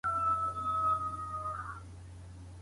ایا واړه پلورونکي جلغوزي پلوري؟